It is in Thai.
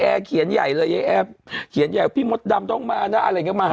ไอ้แอร์เขียนใหญ่เลยไอ้แอร์เขียนใหญ่ว่าพี่มดดำต้องมานะอะไรอย่างนี้มา